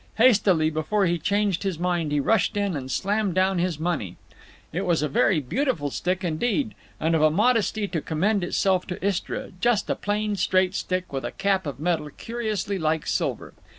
Hastily, before he changed his mind, he rushed in and slammed down his money. It was a very beautiful stick indeed, and of a modesty to commend itself to Istra, just a plain straight stick with a cap of metal curiously like silver.